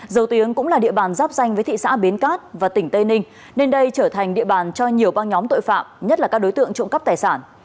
dầu tiếng cũng là địa bàn giáp danh với thị xã bến cát và tỉnh tây ninh nên đây trở thành địa bàn cho nhiều băng nhóm tội phạm nhất là các đối tượng trộm cắp tài sản